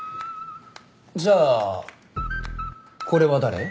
じゃあこれは誰？